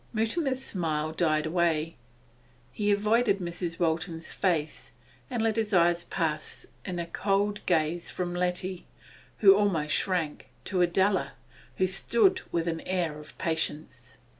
Mutimer's smile died away. He avoided Mrs. Waltham's face, and let his eyes pass in a cold gaze from Letty, who almost shrank, to Adela, who stood with an air of patience.